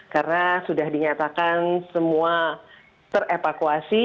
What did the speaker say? karena sudah dinyatakan semua terevakuasi